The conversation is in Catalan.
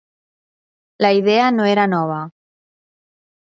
La idea no era nova.